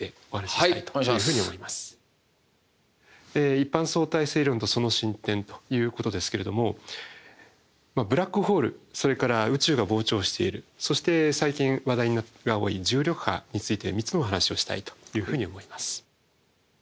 「一般相対性理論とその進展」ということですけれどもまあブラックホールそれから宇宙が膨張しているそして最近話題が多い重力波について３つのお話をしたいというふうに思います。